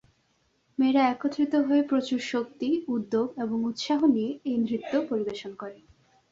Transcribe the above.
মেয়েরা একত্রিত হয়ে প্রচুর শক্তি, উদ্যোগ এবং উৎসাহ নিয়ে এই নৃত্য পরিবেশন করে।